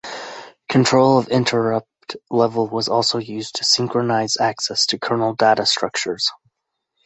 Control of interrupt level was also used to synchronize access to kernel data structures.